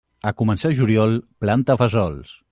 A començar juliol, planta fesols.